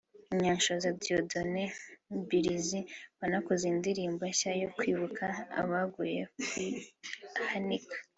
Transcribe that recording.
Munyanshoza Dieudonné (Mibirizi) wanakoze indirimbo nshya yo kwibuka abaguye ku i Hanika